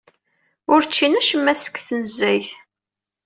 Ur ččin acemma seg tnezzayt.